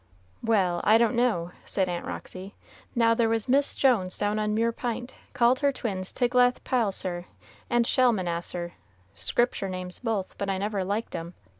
"Well, I don't know," said Aunt Roxy. "Now there was Miss Jones down on Mure P'int called her twins Tiglath Pileser and Shalmaneser, Scriptur' names both, but I never liked 'em.